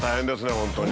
本当に。